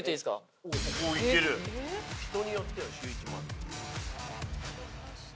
人によっては週１もある。